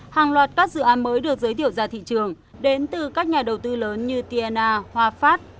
hàng loạt các dự án mới được giới thiệu ra thị trường đến từ các nhà đầu tư lớn như tiana hoa pháp